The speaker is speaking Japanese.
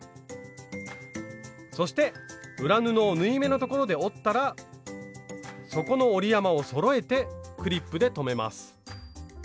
そして裏布を縫い目のところで折ったら底の折り山をそろえてクリップで留めます。